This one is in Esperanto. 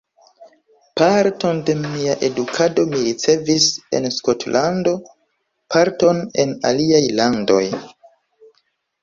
Parton de mia edukado mi ricevis en Skotlando, parton en aliaj landoj.